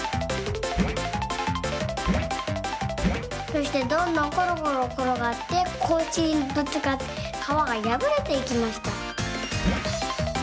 そしてどんどんころころころがってこいしにぶつかってかわがやぶれていきました。